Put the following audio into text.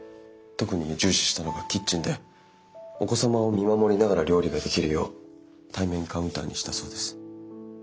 特に重視したのがキッチンでお子様を見守りながら料理ができるよう対面カウンターにしたそうです。